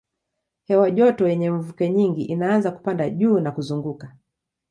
Hewa joto yenye mvuke nyingi inaanza kupanda juu na kuzunguka.